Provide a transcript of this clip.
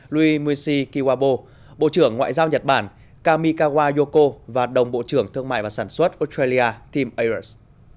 louis muisi kiwabo bộ trưởng ngoại giao nhật bản kamikawa yoko và đồng bộ trưởng thương mại và sản xuất australia tim aers